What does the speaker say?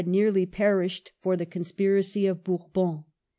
167 nearly perished for the conspiracy of Bourbon.